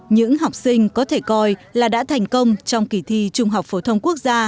những học sinh có thể coi là đã thành công trong kỳ thi trung học phổ thông quốc gia